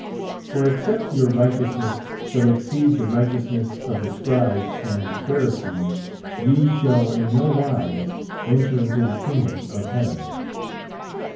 For except your righteousness shall exceed the righteousness of the Scribes and Pharisees, ye shall in no wise enter into the kingdom of heaven."